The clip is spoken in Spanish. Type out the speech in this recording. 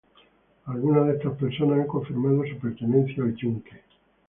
Algunas de estas personas han confirmado su pertenencia al Yunque.